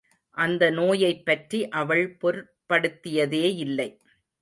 அந்த நோயைப் பற்றி அவள் பொருட்படுத்தியதே இல்லை.